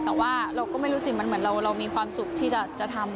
แต่ว่าเราก็ไม่รู้สิมันเหมือนเรามีความสุขที่จะทำ